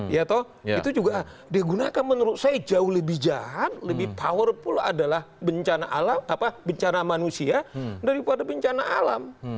itu juga digunakan menurut saya jauh lebih jahat lebih powerful adalah bencana manusia daripada bencana alam